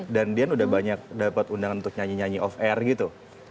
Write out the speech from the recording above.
dan dian udah banyak dapat undangan untuk nyanyi nyanyi off air gitu